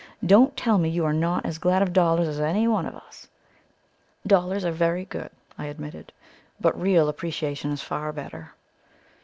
Don't tell me you are not as glad of dollars as any one of us." "Dollars are very good," I admitted, "but real appreciation is far better."